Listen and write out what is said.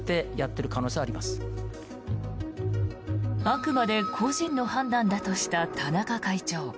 あくまで個人の判断だとした田中会長。